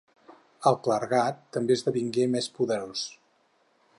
El clergat també esdevingué més poderós.